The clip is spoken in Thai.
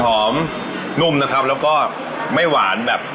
หอมนุ่มนะครับแล้วก็ไม่หวานแบบ